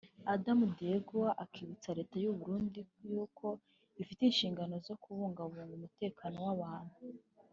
Adama Dieng akibutsa leta y’u Burundi yuko ifite inshingano zo kubungabunga umutekano w’abantu